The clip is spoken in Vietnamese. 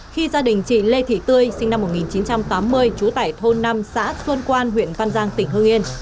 khi gia đình chị lê thị tươi sinh năm một nghìn chín trăm tám mươi trú tại thôn năm xã xuân quan huyện văn giang tỉnh hương yên